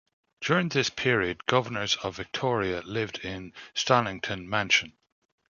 During this period Governors of Victoria lived at Stonington mansion.